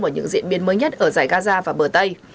vào những diễn biến mới nhất ở giải gaza và bờ tây